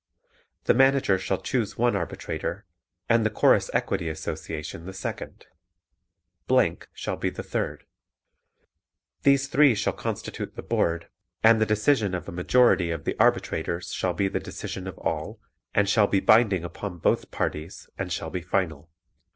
The Manager shall choose one arbitrator, and the Chorus Equity Association the second. shall be the third. These three shall constitute the Board and the decision of a majority of the arbitrators shall be the decision of all and shall be binding upon both parties and shall be final.